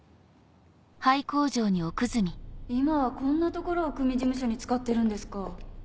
今はこんな所を組事務所に使ってるんですか。